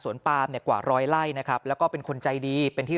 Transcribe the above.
ปาล์มเนี่ยกว่าร้อยไล่นะครับแล้วก็เป็นคนใจดีเป็นที่